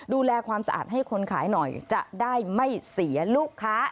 ดูแลความสะอาดให้คนขายหน่อยจะได้ไม่เสียลูกค้า